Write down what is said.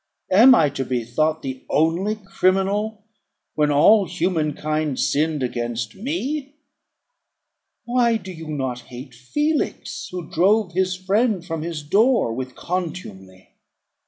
Am I to be thought the only criminal, when all human kind sinned against me? Why do you not hate Felix, who drove his friend from his door with contumely?